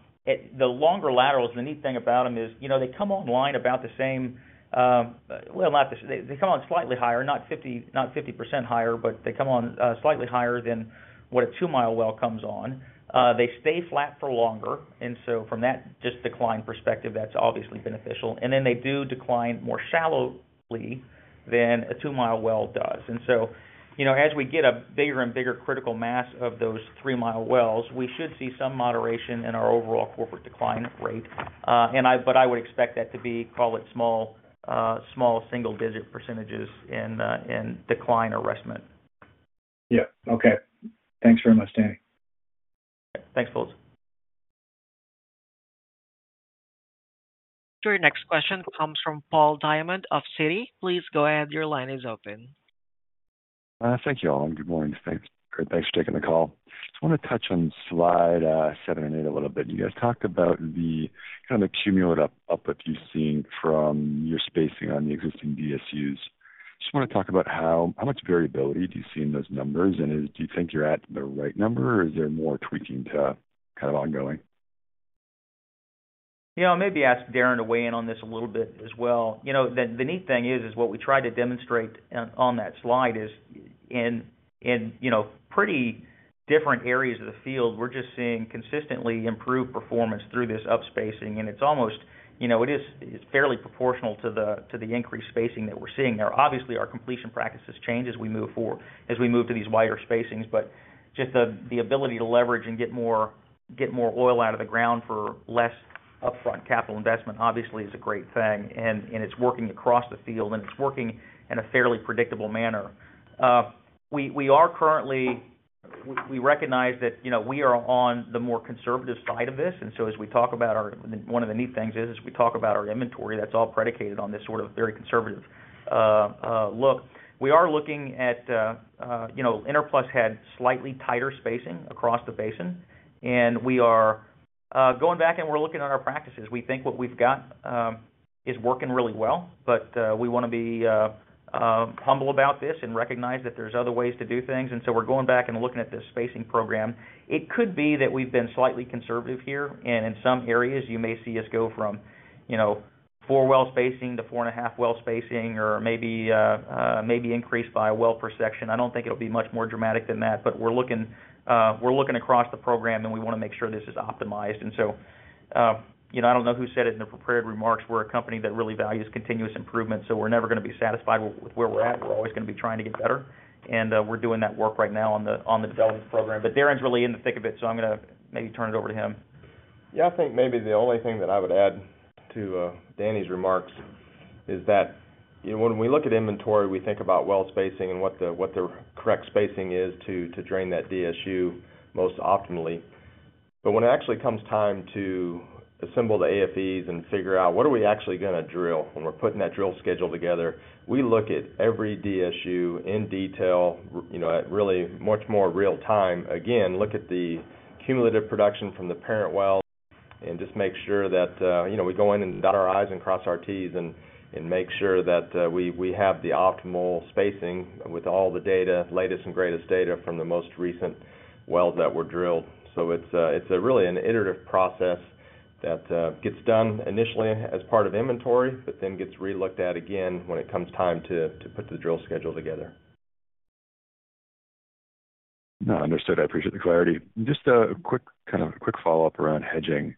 longer laterals, the neat thing about them is, you know, they come online about the same, well, not the same. They come on slightly higher, not 50, not 50% higher, but they come on slightly higher than what a two-mile well comes on. They stay flat for longer, and so from that just decline perspective, that's obviously beneficial. And then they do decline more shallowly than a two-mile well does. So, you know, as we get a bigger and bigger critical mass of those three mi wells, we should see some moderation in our overall corporate decline rate. But I would expect that to be, call it small, small single-digit percentages in, in decline or increment. Yeah. Okay. Thanks very much, Danny. Thanks, Phillips. Your next question comes from Paul Diamond of Citi. Please go ahead. Your line is open. Thank you all, and good morning. Thanks. Great, thanks for taking the call. Just want to touch on slide seven and eight a little bit. You guys talked about the kind of cumulative uplift you've seen from your spacing on the existing DSUs. Just want to talk about how much variability do you see in those numbers, and is do you think you're at the right number, or is there more tweaking to kind of ongoing? You know, I maybe ask Darrin to weigh in on this a little bit as well. You know, the neat thing is what we tried to demonstrate on that slide is in, you know, pretty different areas of the field, we're just seeing consistently improved performance through this upspacing, and it's almost, you know, it is, it's fairly proportional to the increased spacing that we're seeing there. Obviously, our completion practices change as we move forward as we move to these wider spacings. But just the ability to leverage and get more oil out of the ground for less upfront capital investment, obviously, is a great thing, and it's working across the field, and it's working in a fairly predictable manner. We recognize that, you know, we are on the more conservative side of this, and so as we talk about our—one of the neat things is, as we talk about our inventory, that's all predicated on this sort of very conservative look. We are looking at, you know, Enerplus had slightly tighter spacing across the basin, and we are going back and we're looking at our practices. We think what we've got is working really well, but we wanna be humble about this and recognize that there's other ways to do things, and so we're going back and looking at this spacing program. It could be that we've been slightly conservative here, and in some areas you may see us go from, you know, four-well spacing to 4.5-well spacing or maybe, maybe increase by a well per section. I don't think it'll be much more dramatic than that. But we're looking, we're looking across the program, and we wanna make sure this is optimized. And so, you know, I don't know who said it in the prepared remarks. We're a company that really values continuous improvement, so we're never gonna be satisfied with where we're at. We're always gonna be trying to get better, and, we're doing that work right now on the, on the development program. But Darrin's really in the thick of it, so I'm gonna maybe turn it over to him. Yeah, I think maybe the only thing that I would add to Danny's remarks is that, you know, when we look at inventory, we think about well spacing and what the correct spacing is to drain that DSU most optimally. But when it actually comes time to assemble the AFEs and figure out what are we actually gonna drill, when we're putting that drill schedule together, we look at every DSU in detail, you know, at really much more real time. Again, look at the cumulative production from the parent well and just make sure that, you know, we go in and dot our I's and cross our T's, and make sure that we have the optimal spacing with all the data, latest and greatest data from the most recent wells that were drilled. So it's really an iterative process that gets done initially as part of inventory, but then gets relooked at again when it comes time to put the drill schedule together. No, understood. I appreciate the clarity. Just a quick, kind of, quick follow-up around hedging.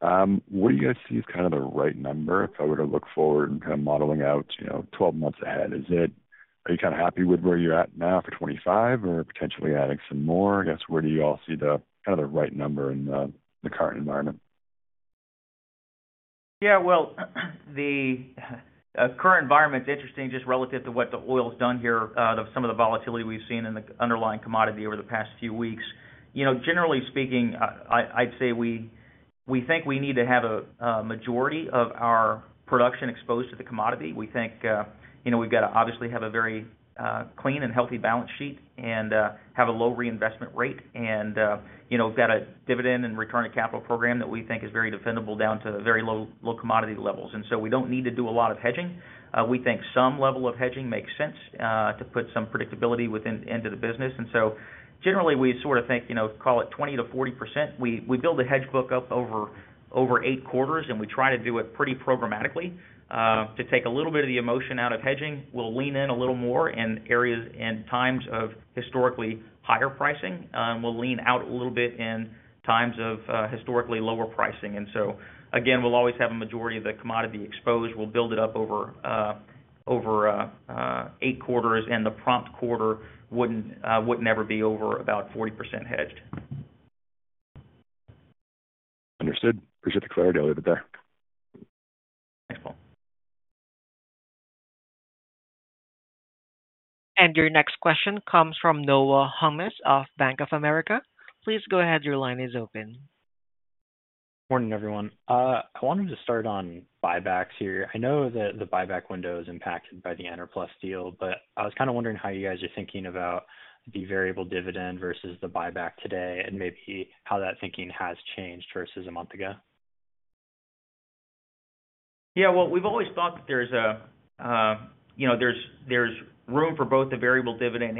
What do you guys see as kind of the right number? If I were to look forward and kind of modeling out, you know, 12 months ahead, is it—are you kind of happy with where you're at now for 25 or potentially adding some more? I guess, where do you all see the, kind of, the right number in the, the current environment? Yeah, well, the current environment is interesting, just relative to what the oil's done here, out of some of the volatility we've seen in the underlying commodity over the past few weeks. You know, generally speaking, I'd say we think we need to have a majority of our production exposed to the commodity. We think, you know, we've got to obviously have a very clean and healthy balance sheet and have a low reinvestment rate. And, you know, we've got a dividend and return on capital program that we think is very defendable down to very low commodity levels. And so we don't need to do a lot of hedging. We think some level of hedging makes sense, to put some predictability into the business. So generally, we sort of think, you know, call it 20%-40%. We build a hedge book up over eight quarters, and we try to do it pretty programmatically to take a little bit of the emotion out of hedging. We'll lean in a little more in areas and times of historically higher pricing, and we'll lean out a little bit in times of historically lower pricing. And so again, we'll always have a majority of the commodity exposed. We'll build it up over eight quarters, and the prompt quarter wouldn't would never be over about 40% hedged. Understood. Appreciate the clarity. I'll leave it there. Thanks, Paul. Your next question comes from Noah Hungness of Bank of America. Please go ahead, your line is open. Morning, everyone. I wanted to start on buybacks here. I know that the buyback window is impacted by the Enerplus deal, but I was kind of wondering how you guys are thinking about the variable dividend versus the buyback today, and maybe how that thinking has changed versus a month ago? Yeah, well, we've always thought that there's a, you know, there's room for both the variable dividend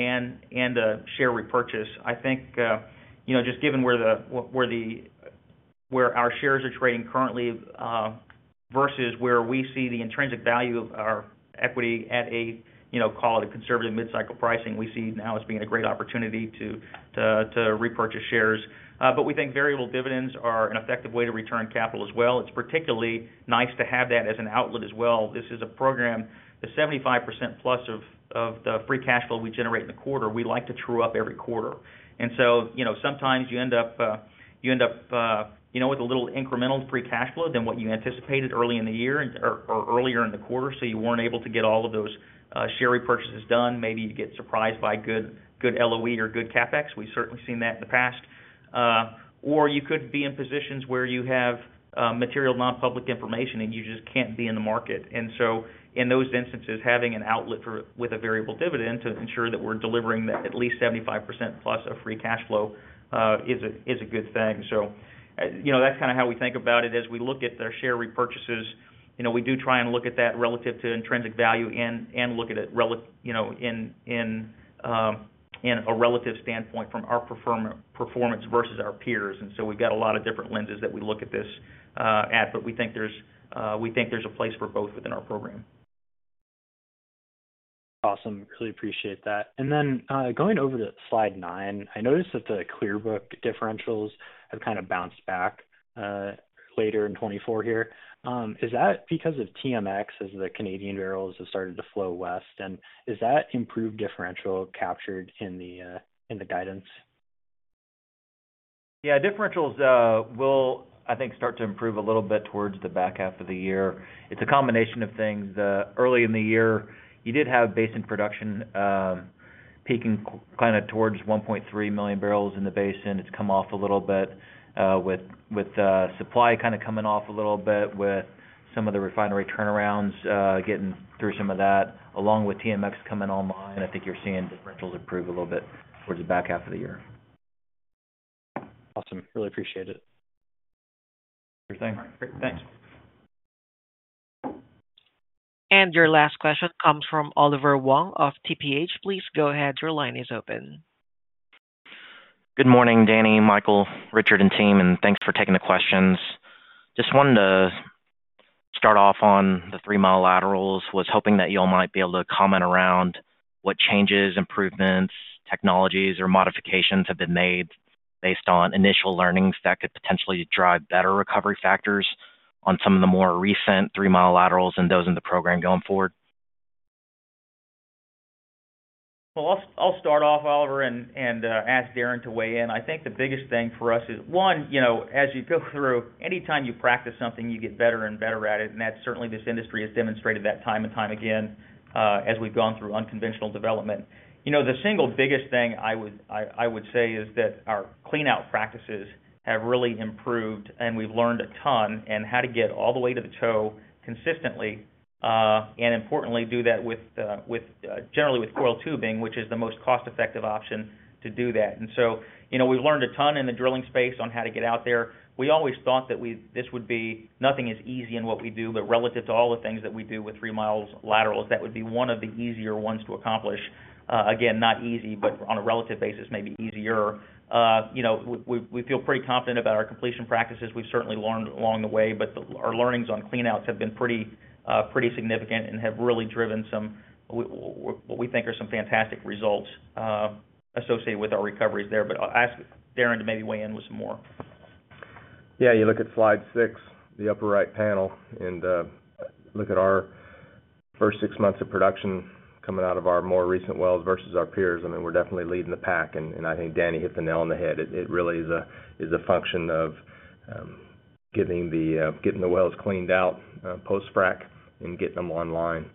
and a share repurchase. I think, you know, just given where our shares are trading currently, versus where we see the intrinsic value of our equity at a, you know, call it a conservative mid-cycle pricing, we see now as being a great opportunity to repurchase shares. But we think variable dividends are an effective way to return capital as well. It's particularly nice to have that as an outlet as well. This is a program, the 75% plus of the free cash flow we generate in the quarter, we like to true up every quarter. And so, you know, sometimes you end up with a little incremental free cash flow than what you anticipated early in the year or earlier in the quarter, so you weren't able to get all of those share repurchases done. Maybe you get surprised by good LOE or good CapEx. We've certainly seen that in the past. Or you could be in positions where you have material, non-public information, and you just can't be in the market. And so in those instances, having an outlet for with a variable dividend to ensure that we're delivering at least 75% plus of free cash flow is a good thing. So, you know, that's kind of how we think about it. As we look at the share repurchases, you know, we do try and look at that relative to intrinsic value and look at it relatively, you know, in a relative standpoint from our performance versus our peers. And so we've got a lot of different lenses that we look at this, but we think there's a place for both within our program. Awesome. Really appreciate that. And then, going over to slide nine, I noticed that the Clearbrook differentials have kind of bounced back later in 2024 here. Is that because of TMX, as the Canadian barrels have started to flow west? And is that improved differential captured in the, in the guidance? Yeah, differentials will, I think, start to improve a little bit towards the back half of the year. It's a combination of things. Early in the year, you did have basin production peaking kind of towards 1.3 million barrels in the basin. It's come off a little bit, with supply kind of coming off a little bit, with some of the refinery turnarounds getting through some of that, along with TMX coming online. I think you're seeing differentials improve a little bit towards the back half of the year. Awesome. Really appreciate it. Sure thing. Great. Thanks. Your last question comes from Oliver Huang of TPH. Please go ahead. Your line is open. Good morning, Danny, Michael, Richard, and team, and thanks for taking the questions. Just wanted to start off on the three mi laterals. Was hoping that you all might be able to comment around what changes, improvements, technologies, or modifications have been made based on initial learnings that could potentially drive better recovery factors on some of the more recent three mi laterals and those in the program going forward? Well, I'll start off, Oliver, and ask Darrin to weigh in. I think the biggest thing for us is one, you know, as you go through, anytime you practice something, you get better and better at it, and that certainly this industry has demonstrated that time and time again as we've gone through unconventional development. You know, the single biggest thing I would say is that our cleanout practices have really improved, and we've learned a ton and how to get all the way to the toe consistently and importantly do that with generally with coil tubing, which is the most cost-effective option to do that. And so, you know, we've learned a ton in the drilling space on how to get out there. We always thought that this would be not as easy in what we do, but relative to all the things that we do with three mi laterals, that would be one of the easier ones to accomplish. Again, not easy, but on a relative basis, maybe easier. You know, we feel pretty confident about our completion practices. We've certainly learned along the way, but our learnings on cleanouts have been pretty, pretty significant and have really driven some what we think are some fantastic results associated with our recoveries there. But I'll ask Darrin to maybe weigh in with some more. Yeah, you look at slide six, the upper right panel, and look at our first six months of production coming out of our more recent wells versus our peers. I mean, we're definitely leading the pack, and I think Danny hit the nail on the head. It really is a function of getting the wells cleaned out post-frack and getting them online.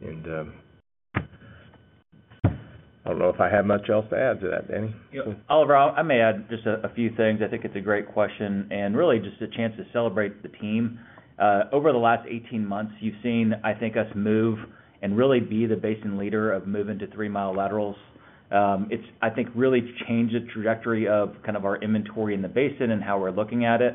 And I don't know if I have much else to add to that, Danny. Yeah. Oliver, I may add just a, a few things. I think it's a great question and really just a chance to celebrate the team. Over the last 18 months, you've seen, I think, us move and really be the basin leader of moving to three mi laterals. It's, I think, really changed the trajectory of kind of our inventory in the basin and how we're looking at it.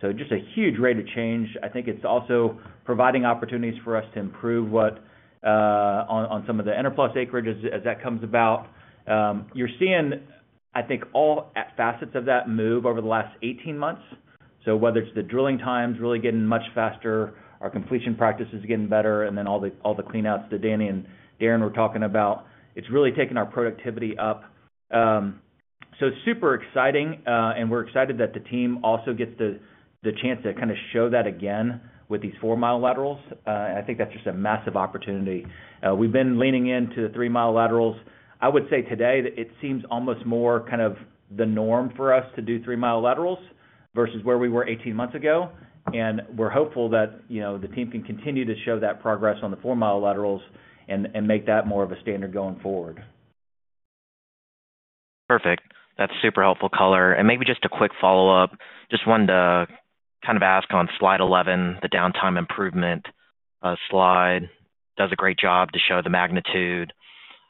So just a huge rate of change. I think it's also providing opportunities for us to improve what, on, on some of the Enerplus acreage as, as that comes about. You're seeing, I think, all facets of that move over the last 18 months. So whether it's the drilling times really getting much faster, our completion practices are getting better, and then all the, all the cleanouts that Danny and Darrin were talking about, it's really taken our productivity up. So it's super exciting, and we're excited that the team also gets the, the chance to kind of show that again with these four mi laterals. I think that's just a massive opportunity. We've been leaning into the three mi laterals. I would say today that it seems almost more kind of the norm for us to do three mi laterals versus where we were 18 months ago. And we're hopeful that, you know, the team can continue to show that progress on the four mi laterals and, and make that more of a standard going forward. Perfect. That's super helpful color. And maybe just a quick follow-up. Just wanted to kind of ask on slide 11, the downtime improvement slide. Does a great job to show the magnitude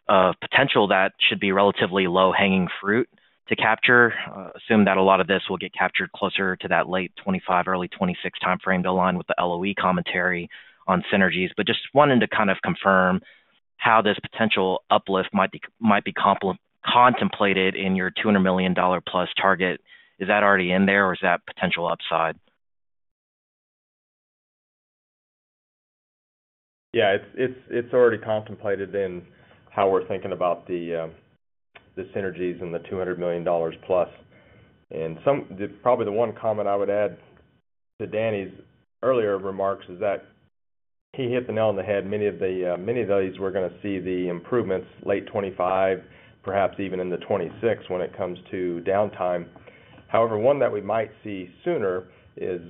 of potential that should be relatively low-hanging fruit to capture. Assume that a lot of this will get captured closer to that late 2025, early 2026 timeframe to align with the LOE commentary on synergies. But just wanted to kind of confirm how this potential uplift might be contemplated in your $200 million plus target. Is that already in there, or is that potential upside? Yeah, it's already contemplated in how we're thinking about the synergies and the $200 million plus. Probably, the one comment I would add to Danny's earlier remarks is that he hit the nail on the head. Many of these, we're gonna see the improvements late 2025, perhaps even into 2026, when it comes to downtime. However, one that we might see sooner is,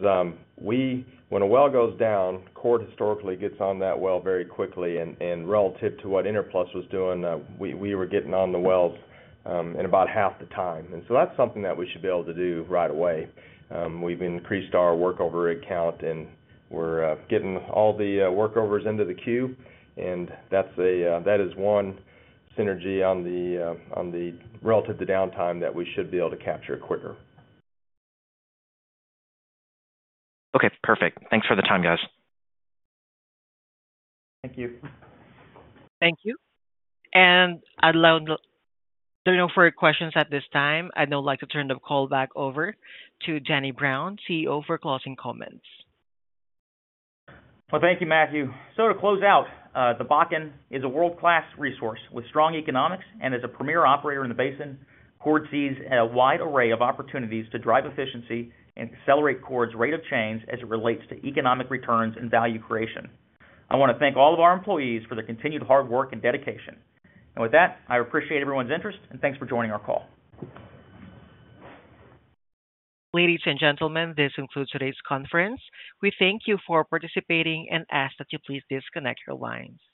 when a well goes down, Chord historically gets on that well very quickly, and relative to what Enerplus was doing, we were getting on the wells in about half the time. And so that's something that we should be able to do right away. We've increased our workover account, and we're getting all the workovers into the queue, and that is one synergy relative to downtime that we should be able to capture quicker. Okay, perfect. Thanks for the time, guys. Thank you. Thank you. There are no further questions at this time. I'd now like to turn the call back over to Danny Brown, CEO, for closing comments. Well, thank you, Matthew. So to close out, the Bakken is a world-class resource with strong economics. And as a premier operator in the basin, Chord sees a wide array of opportunities to drive efficiency and accelerate Chord's rate of change as it relates to economic returns and value creation. I wanna thank all of our employees for their continued hard work and dedication. And with that, I appreciate everyone's interest, and thanks for joining our call. Ladies and gentlemen, this concludes today's conference. We thank you for participating and ask that you please disconnect your lines.